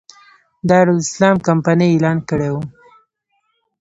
دارالسلام کمپنۍ اعلان کړی و.